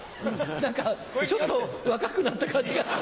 何かちょっと若くなった感じが。